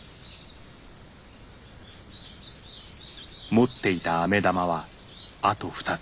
持っていたアメ玉はあと２つ。